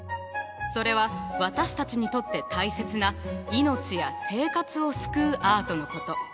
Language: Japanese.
それは私たちにとって大切な「命や生活を救うアート」のこと。